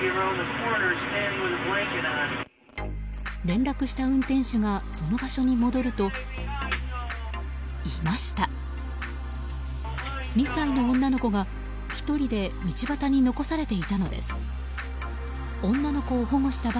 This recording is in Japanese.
連絡した運転手がその場所に戻るといました！